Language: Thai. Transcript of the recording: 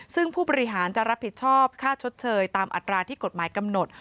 ซึ่งผู้บริหารจะรับผิดชอบค่าชดเชยตามอัตราที่กฎหมายกำหนด